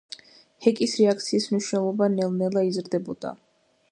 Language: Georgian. ჰეკის რეაქციის მნიშვნელობა ნელ–ნელა იზრდებოდა.